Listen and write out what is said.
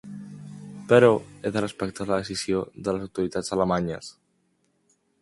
Però he de respectar la decisió de les autoritats alemanyes.